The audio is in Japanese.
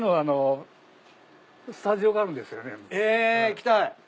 行きたい。